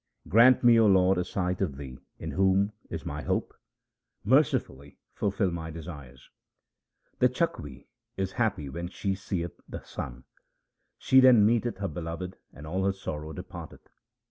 Grant me, O Lord, a sight of Thee in whom is my hope. Mercifully fulfil my desires. The chakwi is happy when she seeth the sun : She then meeteth her beloved and all her sorrow de part eth.